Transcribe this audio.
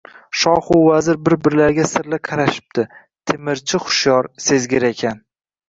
Shohu vazir bir-birlariga sirli qarashibdi. Temirchi hushyor, sezgir ekan.